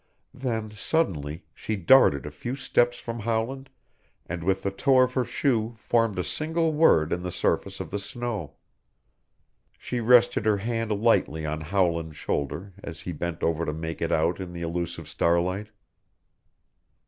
Then, suddenly, she darted a few steps from Howland and with the toe of her shoe formed a single word in the surface of the snow. She rested her hand lightly on Howland's shoulder as he bent over to make it out in the elusive starlight.